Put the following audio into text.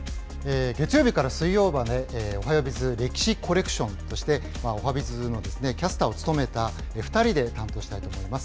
月曜日から水曜日まで、おはＢｉｚ歴史コレクションとして、おはＢｉｚのキャスターを務めた２人で担当したいと思います。